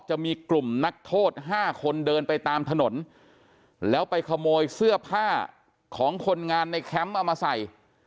จะมีกลุ่มนักโทษ๕คนเดินไปตามถนนแล้วไปขโมยเสื้อผ้าของคนงานในแคมป์เอามาใส่